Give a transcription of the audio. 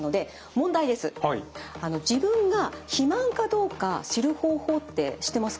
自分が肥満かどうか知る方法って知ってますか？